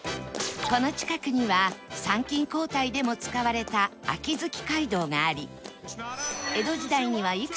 この近くには参勤交代でも使われた秋月街道があり